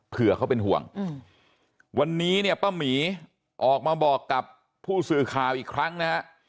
เผื่อเขาเป็นห่วงวันนี้เนี่ยป้าหมีออกมาบอกกับผู้สื่อข่าวอีกครั้งนะฮะ